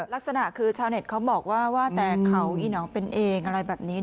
ลักษณะคือชาวเน็ตเขาบอกว่าว่าแต่เขาอีหนองเป็นเองอะไรแบบนี้